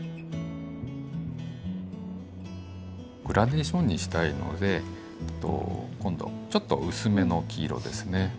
グラデーションにしたいので今度ちょっと薄めの黄色ですね。